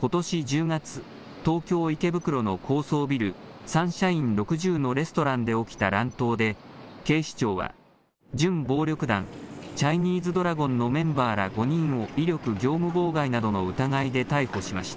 ことし１０月、東京・池袋の高層ビル、サンシャイン６０のレストランで起きた乱闘で、警視庁は準暴力団チャイニーズドラゴンのメンバーら５人を威力業務妨害などの疑いで逮捕しました。